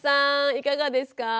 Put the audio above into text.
いかがですか？